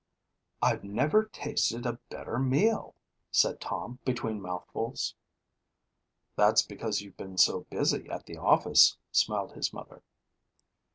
"I've never tasted a better meal," said Tom between mouthfuls. "That's because you've been so busy at the office," smiled his mother.